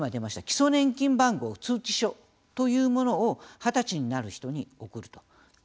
基礎年金番号通知書というものを二十歳になる人に送ると。